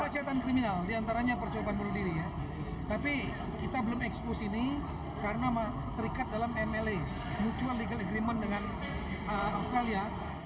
cetan kriminal diantaranya percobaan bunuh diri tapi kita belum expose ini karena terikat dalam mla mutual legal agreement dengan australia